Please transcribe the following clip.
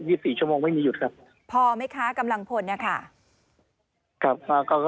สิบสี่ชั่วโมงไม่มีหยุดครับพอไหมคะกำลังพลเนี่ยค่ะครับ